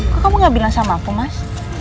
kok kamu gak bilang sama aku mas